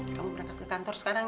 kamu berangkat ke kantor sekarang